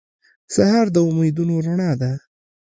سهار د امیدونو رڼا ده.